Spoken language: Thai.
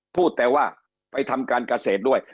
พูดแต่ว่าไปทำการเกษตรด้วย